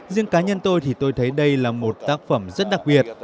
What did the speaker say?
riêng cá nhân tôi thì tôi thấy đây là một tác phẩm rất đặc biệt